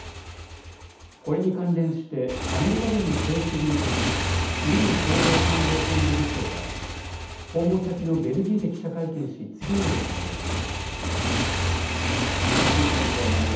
これに関連してアメリカ軍の制服組トップ、ミリー統合参謀本部議長は訪問先のベルギーで記者会見し次のように述べました。